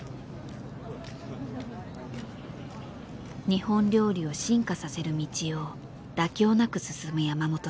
日本料理を進化させる道を妥協なく進む山本さん。